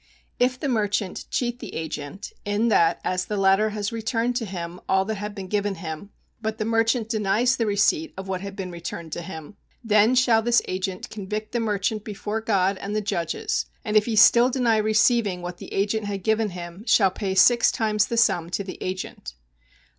If the merchant cheat the agent, in that as the latter has returned to him all that had been given him, but the merchant denies the receipt of what had been returned to him, then shall this agent convict the merchant before God and the judges, and if he still deny receiving what the agent had given him shall pay six times the sum to the agent.